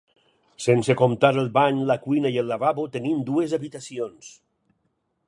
Sense comptar el bany, la cuina i el lavabo, tenim dues habitacions.